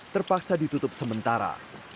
terpaksa ditutup sementara